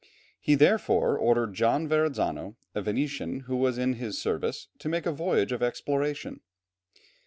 He therefore ordered John Verrazzano, a Venetian who was in his service, to make a voyage of exploration.